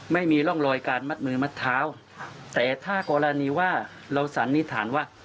ไม่มีร่องรอยการมัดมือมัดเท้าแต่ถ้ากรณีว่าเราสันนิษฐานว่า